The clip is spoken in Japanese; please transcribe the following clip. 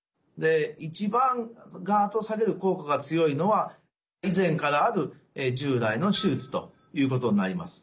一番眼圧を下げる効果が強いのは以前からある従来の手術ということになります。